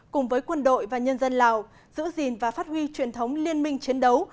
cùng với quân đội và nhân dân lào giữ gìn và phát huy truyền thống liên minh chiến đấu